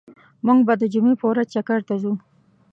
موږ به د جمعی په ورځ چکر ته ځو